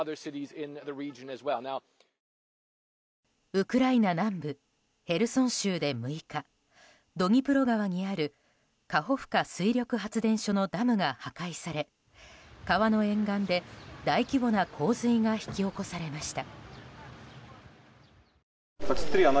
ウクライナ南部ヘルソン州で６日ドニプロ川にあるカホフカ水力発電所のダムが破壊され川の沿岸で、大規模な洪水が引き起こされました。